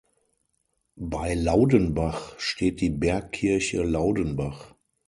Bei Laudenbach steht die Bergkirche Laudenbach.